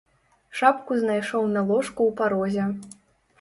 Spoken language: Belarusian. Шапку знайшоў на ложку ў парозе.